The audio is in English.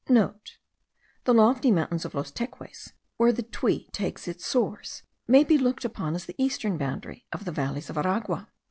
*(* The lofty mountains of Los Teques, where the Tuy takes its source, may be looked upon as the eastern boundary of the valleys of Aragua.